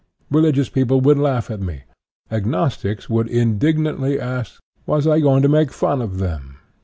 Religious people would laugh at me, agnostics would indignantly ask, was I going to make fun of them?